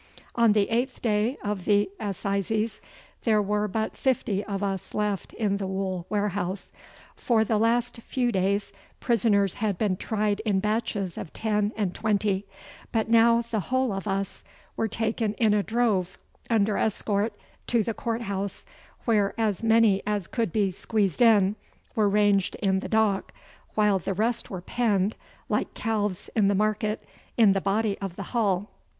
On the eighth day of the assizes there were but fifty of us left in the wool warehouse. For the last few days prisoners had been tried in batches of ten and twenty, but now the whole of us were taken in a drove, under escort, to the court house, where as many as could be squeezed in were ranged in the dock, while the rest were penned, like calves in the market, in the body of the hall.